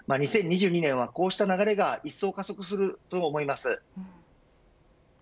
２０２２年はこうした流れが一層加速すると思います。